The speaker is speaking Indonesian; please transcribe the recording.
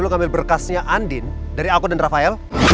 kami berkasnya andin dari aku dan rafael